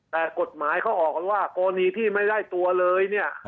แต่กฎหมายเขาออกกันว่ากรณีที่ไม่ได้ตัวเลยเนี่ย